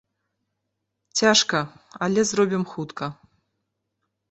Цяжка, але зробім хутка.